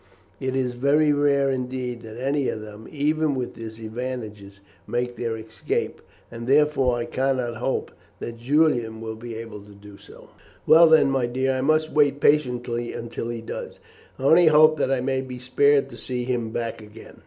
It is very rare indeed that any of them, even with these advantages, make their escape, and therefore I cannot hope that Julian will be able to do so." "Well, then, my dear, I must wait patiently until he does. I only hope that I may be spared to see him back again."